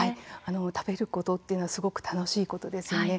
食べることはすごく楽しいことですよね。